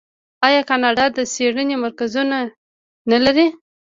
آیا کاناډا د څیړنې مرکزونه نلري؟